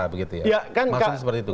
maksudnya seperti itu kan